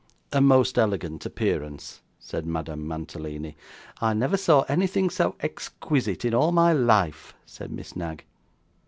'A most elegant appearance,' said Madame Mantalini. 'I never saw anything so exquisite in all my life,' said Miss Knag.